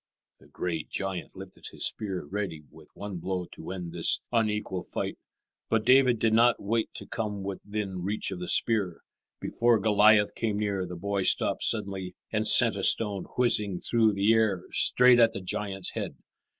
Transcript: The great giant lifted his spear, ready with one blow to end this unequal fight. But David did not wait to come within reach of the spear. Before Goliath came near, the boy stopped suddenly and sent a stone whizzing through the air straight at the giant's head.